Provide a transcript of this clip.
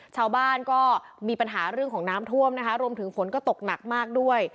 ชาวบ้านก็มีปัญหาเรื่องของน้ำท่วมนะคะรวมถึงฝนก็ตกหนักมากด้วย